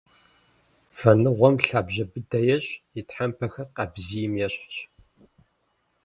Вэныгъуэм лъабжьэ быдэ ещӏ, и тхьэмпэхэр къабзийм ещхьщ.